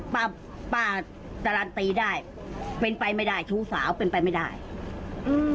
ป้าป้าการันตีได้เป็นไปไม่ได้ชู้สาวเป็นไปไม่ได้อืม